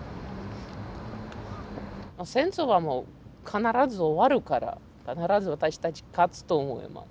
戦争はもう必ず終わるから必ず私たち勝つと思います。